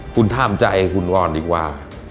คุณถ้ามใจคุณรอดดีกว่า